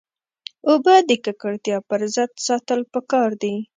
اوبه د ککړتیا پر ضد ساتل پکار دي.